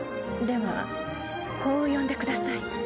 ではこう呼んでください。